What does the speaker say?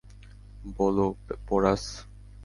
বলো, পোরাস।